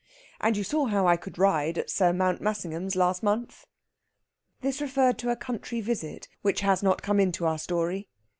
And you saw how I could ride at Sir Mountmassingham's last month?" This referred to a country visit, which has not come into our story.